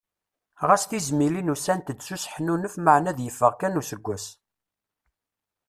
Ɣas tizmilin ussant-d s useḥnunef maɛna ad yeffeɣ kan useggas.